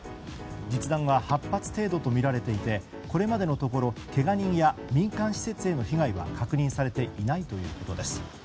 実弾は８発ほどとみられていてこれまでのところけが人や民間施設への被害は確認されていないということです。